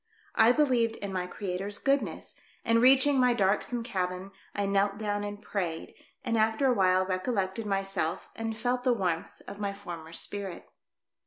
I believed in my Creators goodness, and reaching my dark some cabin, I knelt down and prayed, and after awhile recollected myself and felt the warmth of my former spirit.